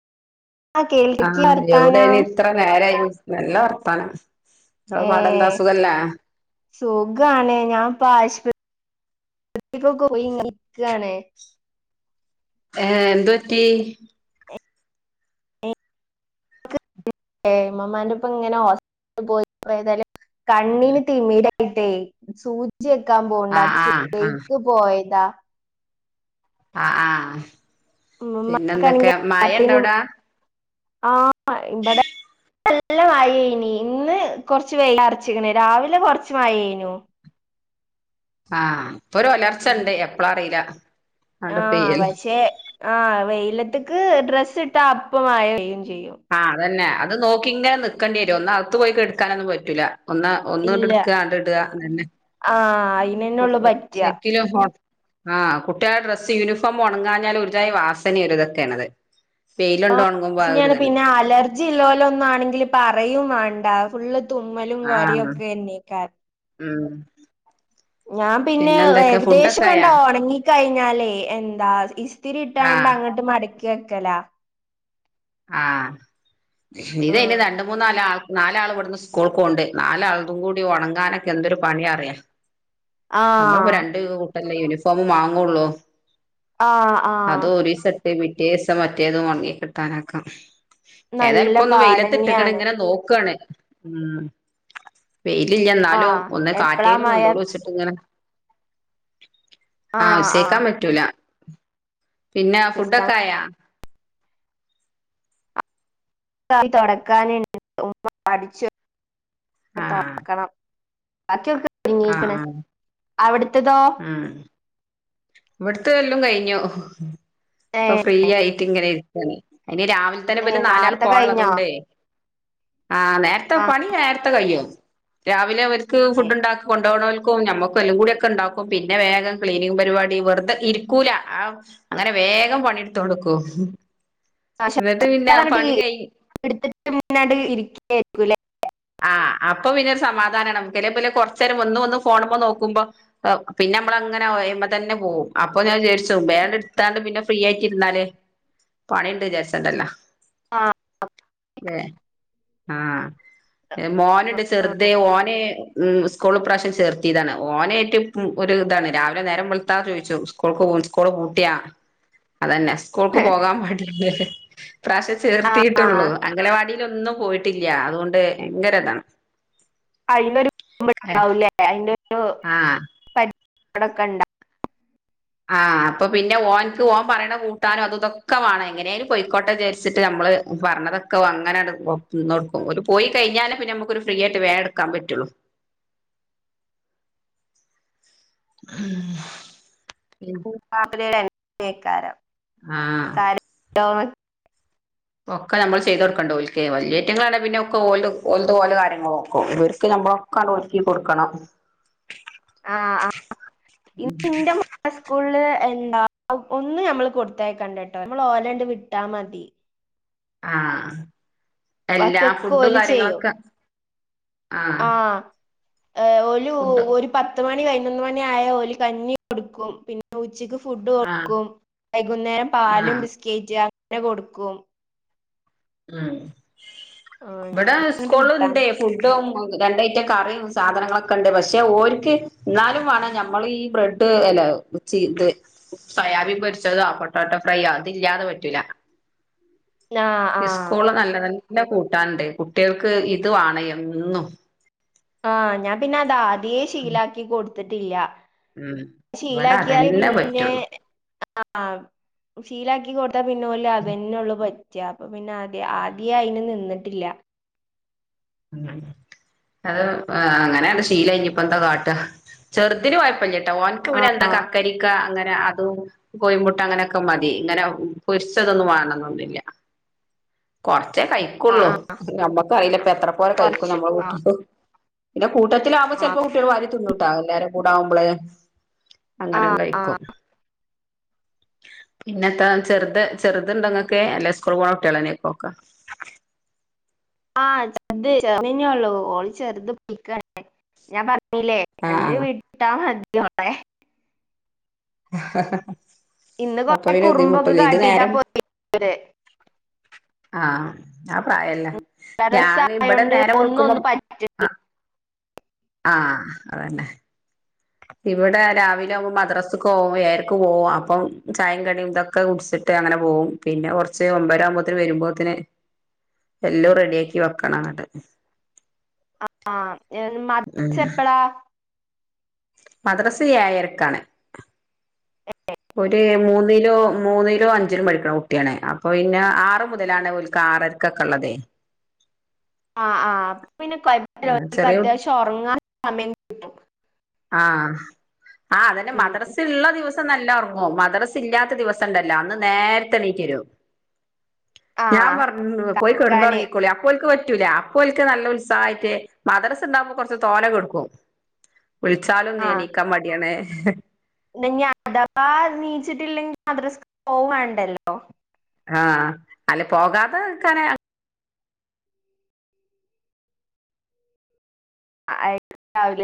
ആ കേൾക്കി ആഹ് വർത്താനം എവിടെനി ഇത്ര നേരായി നല്ല വർത്താനം ഇങ്ങളെ ഏ പാടന്താ സുഖല്ലേ? സുഖാണ് ഞാൻ ഇപ്പ ആശുപത്രി പോയി ഇങ്ങനെ ഇരിക്കാണ്. ഏഹ് എന്ത്‌ പറ്റി? ഏഹ് ഇമ്മമ്മാന്റെ ഒപ്പം ഇങ്ങനെ ഹോസ്പിറ്റലി പോയി ഇപ്പെ ഏതായാലും കണ്ണിന് തിമീര യിട്ടേ സൂചിവെക്കാൻ പോവ്ണ്ട് ആഹ് അപ്പൊ ആഹ് ആഹ് സുബെയ്ക്ക് പോയതാ ആ ആഹ് പിന്നെ എന്തൊക്കെ മഴ ഇണ്ടോ അവ്ടെ? ആഹ് മ ഇബടെ നല്ല മയേയ്നി ഇന്ന് കൊറച്ച് വെയില അറച്ചിക്ണ് രാവിലെ കൊറച്ച് മയെയ്നു ആഹ് ഇപ്പൊ ഒരു ഒലർച്ച ഇണ്ട് എപ്പളാ അറീല. ആണ്ട് ആഹ് പെയ്യല് പക്ഷെ ആഹ് വെയിലത്ത്ക്ക് ഡ്രസ്സ് ഇട്ടാ അപ്പമഴപെയ്യും ചെയ്യും ആഹ് അതന്നെ അത് നോക്കി ഇങ്ങനെ നിക്കണ്ടിയെരും ഒന്ന് അകത്ത് പോയിക്ക് കെട്ക്കാനൊന്നും പറ്റൂല ഒന്ന് ഇല്ല ഒന്ന്ങ്ങട്ട് ഇട്ക്കാ അത് ഇട അതന്നെ ആഹ് അയി സെക്കിലോ ആഹ് കുട്ടിയാളെ ഡ്രസ്സ് യൂണിഫോം ഒണങ്ങാഞ്ഞാൽ ഒരുജായി വാസനേണ് ഇതൊക്കെണത് ആ [unintelligible] പിന്നെ അലർ ജില്ലോലുന്നാണെങ്കില് പറയും വാണ്ട ഫുള്ള് തുമ്മലും കോരയും ആഹ് ഒക്കെന്നേയ്ക്കാരം ഉം ഞാൻ പിന്നെ എന്തൊക്കെ ഫുഡൊക്കെ ഏകദേശക്കണ്ട് ആയാ ഉണങ്ങിക്കഴിഞ്ഞാലേ എന്താ ഇസ് ത്തിരി ഇട്ടാണ്ട് ആഹ് അങ്ങട്ട് മടക്കി വെക്കല ആഹ് ഇതയ്ന് ആഹ് രണ്ട്, മൂന്ന ന്നാല് ആൾ നാലാള് ഇവട്ന്ന് സ്കൂൾക്കോവ്ണ്ട് നാലാളതും കൂടി ഒണങ്ങാനൊക്കെ എന്തൊരു പണിയ അറിയാ അമ്മൾപ്പോ ആഹ് രണ്ട് കൂട്ടല്ലേ യൂണിഫോമ് വാങ്ങൊള്ളു ആഹ് ആഹ് അത് ഒരീ സെട്ട് പിറ്റേ ദീസം മറ്റേതും ഒണങ്ങി കിട്ടാനക്കാം നല്ല ഏതായാലുപ്പൊന്ന് വെയിലത്തിട്ട്ക്ക്ണ് പാടന്നെയാണ് ഇങ്ങനെ നോക്കാണ് ഉം വെയിയിലില്ല ഇന്നാലും ആഹ് ഒന്ന് എപ്പളാ കാറ്റേലും മഴ കൊണ്ടോളൊ വെച്ചിട്ട് ഇങ്ങനെ ആ ആഹ് വിസേക്കാൻ ആഹ് പറ്റൂല പിന്നെ ഫുഡൊക്കെ ആയാ ക്കായി തൊടക്കാനണ്ട് ഉമ്മ അഠിച്ചു ആഹ് തൊടക്കണം ബാക്കിയൊക്കെ ആഹ് ഒര്ങ്ങീക്ക്ണ് ആഹ് അവിട്ത്തതോ? ഉം ഇവിടത്തെെല്ലാം കഴിഞ്ഞു ഇപ്പൊ ഏഹ് ഫ്രീ ആയിട്ട് ഇങ്ങനെ ഇരീക്കാണ് അയിന് രാവിലെ ത്തന്നെ ഏ ഇവൽ നാല് ആൾ നാർത്തെ കഴിഞ്ഞോ പോവാന്ള്ളതോണ്ടേ ആഹ് നേരത്തെ ആ പണി നേരത്തെ കയ്യും രാവിലെ വ ഫുഡ് ഉണ്ടാക്കി കൊണ്ടോണല്ക്കും ഞമ്മക്കും എല്ലാം കൂടി ഒക്കെ ഇണ്ടാക്കും പിന്നെ വേഗം ക്ലീനി പരിപാടി വെറതെ ഇരിക്കൂല ആഹ് അങ്ങനെ വേഗം പണി ഇട്ത്തോണ്ട് നിക്കും എന്നിട്ട് പിന്നെ [unintelligible] ആഹ് അപ്പൊ പിന്നൊരു സമാധാനംമാണ് അല്ലേ പിന്നെ കൊറച്ചു നേരം ഒന്നും വന്ന് ഫോണുമ്പോ നോക്കുമ്പോ പിന്നെ നമ്മളങ്ങനെ തന്നെ പോവും അപ്പോ ഞാൻ വിചാരിച്ചും വേഗം എടുത്താണ്ട് പിന്നെ ഫ്രീ ആയിട്ടിരുന്നാല് പണി ഇണ്ട് വിചാരിച്ചണ്ടല്ലോ ആ എഹ് ആഹ മോന്ണ്ട് ചെറുത് ഓന് ഉം സ്കൂൾ ഇപ്രാവശ്യം ചേർത്തിയതാണ് ഓനേട്ട് ഒരു ഇതാണ് രാവിലെ നേരം ത്താതെ ചോയിച്ചും സ്കൂൾക്ക് സ്കൂള് പൂട്ടിയാ അതന്നെ സ്കൂൾക്ക് പോകാൻ മടി ഇപ്രാവശ്യ ആ ചേർത്തിയിട്ടുള്ളൂ അംഗലവാടിലൊന്നും പോയിട്ടില്ല ട്ടില്ല അതോണ്ട് ഭയങ്കര ഇതാണ് [unintelligible] ആഹ [unintelligible] ആഹ് അപ്പൊ പിന്നെ ഓൻക്ക് ഓൻ പറയണ കൂട്ടാനും അത് ഇതൊക്കെ വാണെം എങ്ങനേും പോയിക്കോട്ടെ വിചരിച്ചിട്ട് നമ്മള് പറഞ്ഞതൊക്കെ അങ്ങനണ്ട് നിന്നൊടുക്കും ഓല് പോയി കഴിഞ്ഞാലേ നമുക്കൊരു ഫ്രീ ആയിട്ട് വേം ഇടുക്കാൻ പറ്റുള്ളു ഉം [unintelligible] ഏകാരം ആഹ കാര്യ [unintelligible] ഒക്കെ നമ്മൾ ചെയ്ത് കൊടുക്കണ്ടോല്ക്ക് വല്ല്യേറ്റിങ്ങളാണൽ പിന്നെ ഒക്കെ ഓലത് ഓലെ കാര്യങ്ങള് നോക്കും ഇവർക്ക് നമ്മള് ഒക്കെണ്ട് ഒരുക്കി കൊടുക്കണം ആ ആ [unintelligible] ഇന്റെ മോൻ ആ സ്കൂളില് എന്താ ഒന്ന് നമ്മള് കൊടുത്തയകണ്ടട്ടാ നമ്മൾ ഓലണ്ട് വിട്ടാ മതി ആഹ എല്ലാ ബാക്കിയൊക്കെ ഫുഡും ഓല് കാര്യങ്ങളൊക്കെ ആഹ് ആഹ് ഓലു ഫുഡ് ഒരു പത്ത് മണി പതിനൊന്നു മണി ആയ ഓല് കഞ്ഞി കൊടുക്കും പിന്നെ ഉച്ചക്ക് ഫുഡ് ആഹ് കൊടുക്കും വൈകുന്നേരം പാലും ആഹ് ബിസ്കറ്റ് അങ്ങനെ കൊടുക്കും ഉം ആഹ് ഇവിടെ അങ്ങട്ട് വിട്ടാ സ്കൂളുണ്ട് ഫുഡും രണ്ട് ഐറ്റ കറിയും സാധനങ്ങളൊക്കെ ഉണ്ട് പക്ഷെ ഓര്ക്ക് ഇന്നാലും വേണം നമ്മൾ ഈ ബ്രെഡ് അല്ല ഉച്ചി ഇത് സോയാബീൻ പൊരിച്ചതോ പൊട്ടോട്ടോ ഫ്രൈയോ ഇതില്ലാതെ പറ്റൂല ആഹ് ആഹ് സ്കൂള് നല്ല നല്ല കൂട്ടാന്ണ്ട് കുട്ട്യാൾക്ക് ഇത് വേണം എന്നും ആഹ് ഞാൻ പിന്നെ അത് ആദ്യേ ഉം ശീലാക്കി കൊടുത്തിട്ടില്ല ഉം ഇവിടെ ശീലാക്കിയാൽ അതന്നെ പിന്നെ പറ്റുള്ളൂ ആഹ് ശീലാക്കി കൊടുത്താ പിന്നെ ഓല് അതെന്നെ ഉള്ളൂ അപ്പൊ പിന്നെ ആദ്യ ആദ്യേ അയിന് നിന്നിട്ടില്ല ഉം അത് അങ്ങനെണ്ട് ശീലായി ഇനി ഇപ്പ എന്താ കാട്ടാ ചെറുതിന് കൊയപ്പം ഇല്ലട്ടാ ഓന്ക്ക് പിന്നെ എന്താ ആഹ് കക്കരിക്ക അങ്ങനെ അതും കോയിമുട്ട അങ്ങനെയൊക്കെ മതി ഇങ്ങനെ പൊരിച്ചതൊന്നും വേണന്നൊന്നില്ല കൊറച്ചേ ആഹ് കഴിക്കുള്ളൂ ആഹ് നമ്മക്കറിയില്ലെ ഇപ്പോ എത്ര പോരെ കഴിക്കും കൊറച്ച് നമ്മുടെ ആഹ് കുട്ടിയാലു പിന്നെ കൂട്ടത്തിലാമ്പോ ചിലപ്പോ ആഹ് കുട്ട്യാൾ വാരി തിന്നുംട്ടാ എല്ലാരെ കൂട ആവുമ്പള് ആഹ് അങ്ങനെങ്ങ് കഴിക്കും ആഹ് പിന്നെ എത്ത ചെറുത് ചെറുത്ണ്ടങ്ങക്ക് അല്ല സ്കൂളിൽ പോണ കുട്ട്യാളെന്നെക്കും ഒക്കെ ആഹ ചെർത് ചെർതന്നെ ഉള്ളൂ ഓള് ചെറുത് പോയിക്കാണ് ഞാൻ പറഞ്ഞ ആഹ് [unintelligible] ഇന്ന് കൊറേ അപ്പൊ ഇര് കുറുമ്പൊക്കെ ബുദ്ധിമുട്ടല്ലോ ഇത് കാട്ടിട്ടാ നേരം പോയത് ആഹ് ആ പ്രായല്ലേ ടെറസ് ഞാനിവിടെ ആയോണ്ട് നേരം വെളുക്കുമ്പോം ഒന്നൊന്നും പറ്റും ആ ആഹ് അതന്നെ ഇവടെ രാവിലെ ആവുമ്പോ മദ്രാസക്കോവും ഏഴരക്ക് പോവും അപ്പം ചായേം കടിയും ഇതൊ ഒക്കെ കുടിച്ചിട്ട് അങ്ങനെ പോകും പിന്നെ കുറച്ച് ഒമ്പര ആകുമ്പോത്തേന് വരുമ്പോത്തിന് എല്ലോം റെഡിയാക്കി വെക്കണന്നത് ആഹ് ഉം മദ്രസെപ്പഴാ മദ്രസ ഏഴരക്കാണ് ഒരു മൂന്നിലോ മൂന്നിലും അഞ്ചിലും പഠിക്കണ കുട്ടിയാണ് അപ്പൊ പിന്നെ ആറ് മുതലാണവൾക്കാറര ഒക്കെക്കള്ളതേ ആ അ അപ്പപ്പിന്നെ കൊഴപ്പില്ല ഓൾക്ക് ചെറിയ അത്യാവശ്യം ഉറങ്ങാൻ സമയം ആഹ് അ അതന്നെ ഉം. മദ്രസിള്ള ദിവസം നല്ല ഉറങ്ങും മദ്രസില്ലാത്ത ദിവസണ്ടല്ലോ അന്ന് നേരത്തെ എണീറ്റരും ആ ഞാൻ പറ പോയി കളിക്കാന് കിടന്നുറങ്ങിക്കോളി അപ്പോൾക്ക് പറ്റൂല അപ്പോൾക്ക് നല്ല ഉൽസാ തായിറ്റ് മദ്രസ ഉണ്ടാവുമ്പോ കുറച്ച് തോനെ കൊടുക്കും വിളിച്ചാലും എണീക്കാൻ മടിയാണ് ന്നനി അഥവാ എനീച്ചിട്ടില്ലെങ്കിൽ മദ്രസക്ക് പോവണ്ടല്ലോ ആഹ് അല്ല പോകാതീക്കാനെ അയക്കണ്ടാവൂലെ